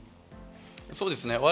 そうですね。